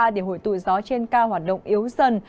thì hồi tụi gió trên cao hoạt động yếu dần